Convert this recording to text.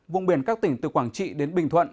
vùng biển các tỉnh từ quảng trị đến bình thuận